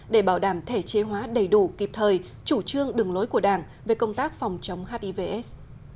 để bảo đảm thể chế hóa đầy đủ kịp thời chủ trương đường lối của đảng về công tác phòng chống hivs